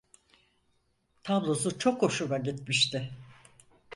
Tablosu çok hoşuma gitmişti…